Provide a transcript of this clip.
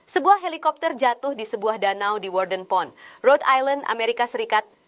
sebuah helikopter jatuh di sebuah danau di worden pond road island amerika serikat